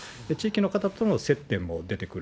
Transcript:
地域の方との接点も出てくる。